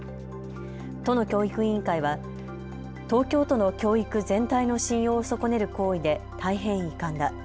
都の教育委員会は東京都の教育全体の信用を損ねる行為で大変遺憾だ。